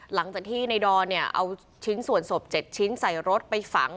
หลังจากที่ในดอนเนี่ยเอาชิ้นส่วนศพ๗ชิ้นใส่รถไปฝัง